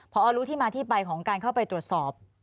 พอรู้ที่มาที่ไปของการเข้าไปตรวจสอบ